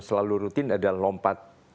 selalu rutin adalah lompat